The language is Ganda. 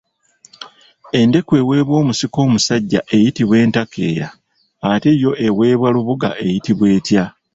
Endeku eweebwa omusika omusajja eyitibwa entakeera ate yo eweebwa lubuga eyitibwa etya?